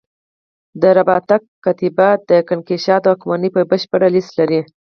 د رباطک کتیبه د کنیشکا د واکمنۍ بشپړه لېست لري